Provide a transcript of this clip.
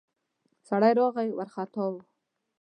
سړی راغی ، وارختا و.